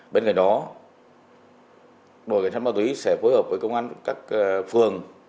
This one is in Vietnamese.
bên cạnh đó đội cảnh sát ma túy sẽ phối hợp với công an các phường